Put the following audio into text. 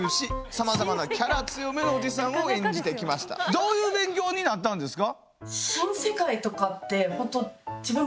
どういう勉強になったんですか？